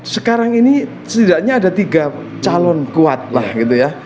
sekarang ini setidaknya ada tiga calon kuat lah gitu ya